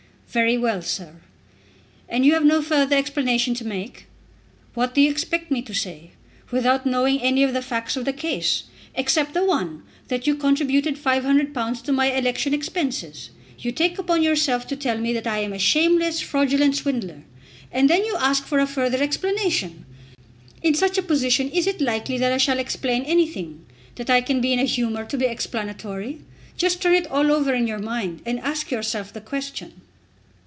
"Very well, sir." "And you have no further explanation to make?" "What do you expect me to say? Without knowing any of the facts of the case, except the one, that you contributed £500 to my election expenses, you take upon yourself to tell me that I am a shameless, fraudulent swindler. And then you ask for a further explanation! In such a position is it likely that I shall explain anything; that I can be in a humour to be explanatory? Just turn it all over in your mind, and ask yourself the question."